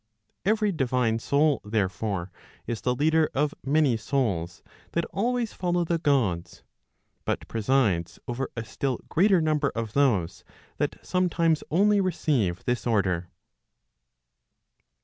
Every divine soul, therefore, is the leader of many souls that always follow the Gods, but presides over a still greater number of those that sometimes only receive this order.